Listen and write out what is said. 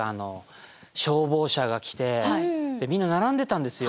消防車が来てみんな並んでたんですよ。